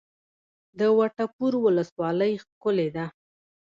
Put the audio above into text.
د وټه پور ولسوالۍ ښکلې ده